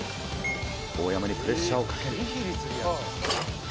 大山にプレッシャーをかける。